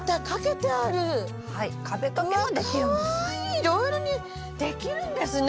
いろいろできるんですね。